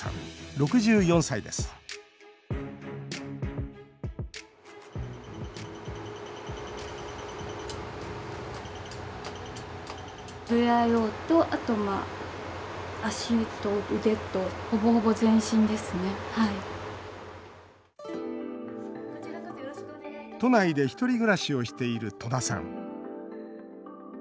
６４歳です都内で１人暮らしをしている戸田さん。